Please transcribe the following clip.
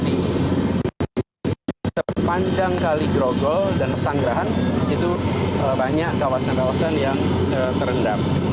di secara secara kadar sepanjang galigrogol dan samgrahan di situ banyak kawasan kawasan yang terendam